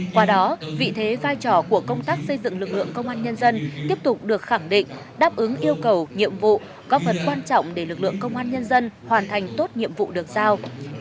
qua đó vị thế vai trò của công tác xây dựng lực lượng công an nhân dân tiếp tục được khẳng định đáp ứng yêu cầu nhiệm vụ có phần quan trọng để lực lượng công an nhân dân hoàn thành tốt nhiệm vụ được giao